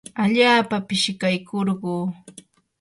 allaapa pishikaykurquu.